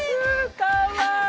かわいい。